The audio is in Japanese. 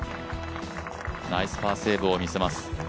ナイスパーセーブを見せます。